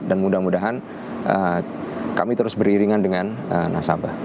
dan mudah mudahan kami terus beriringan dengan nasabah